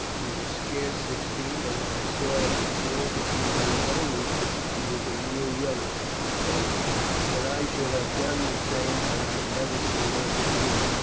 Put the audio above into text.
She was scarce sixteen, and when I saw her before, for a few days only, she was a year younger; but I think that I should have done the same had I never seen her before.